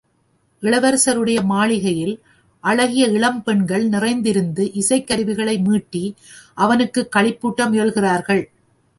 இளவரசனுடைய மாளிகையில் அழகிய இளம் பெண்கள் நிறைந்திருந்து இசைக்கருவிகளை மீட்டி அவனுக்குக் களிப்பூட்ட முயல்கிறார்கள்.